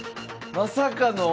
まさかの？